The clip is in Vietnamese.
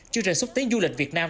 chương trình xúc tiến du lịch việt nam